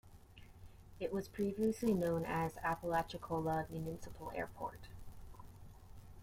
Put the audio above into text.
It was previously known as Apalachicola Municipal Airport.